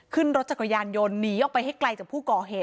ขึ้นรถจักรยานยนต์หนีออกไปให้ไกลจากผู้ก่อเหตุ